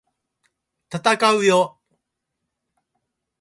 闘うよ！！